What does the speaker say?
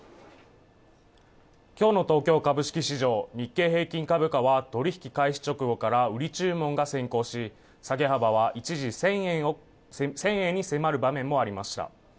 きょうの東京株式市場日経平均株価は取引開始直後から売り注文が先行し下げ幅は一時１０００円に迫る場面もありました